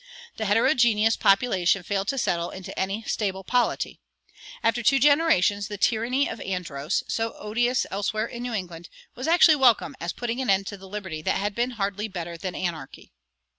The heterogeneous population failed to settle into any stable polity. After two generations the tyranny of Andros, so odious elsewhere in New England, was actually welcome as putting an end to the liberty that had been hardly better than anarchy.